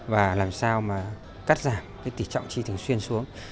và làm sao cắt giảm tỷ trọng tri thường xuyên xuống